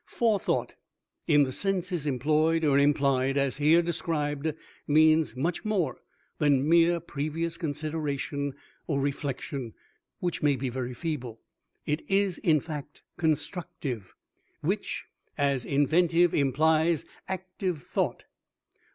Forethought in the senses employed or implied as here described means much more than mere previous consideration or reflection, which may be very feeble. It is, in fact, "constructive," which, as inventive, implies active thought.